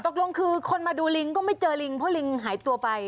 ตกลงคือคนมาดูลิงก็ไม่เจอลิงเพราะลิงหายตัวไป